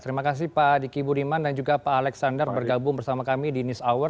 terima kasih pak diki budiman dan juga pak alexander bergabung bersama kami di news hour